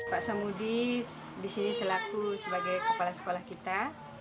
pak samudi di sini selaku sebagai kepala sekolah kita